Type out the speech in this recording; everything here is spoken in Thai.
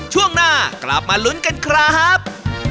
ช่วงหน้ากลับมาลุ้นกันครับ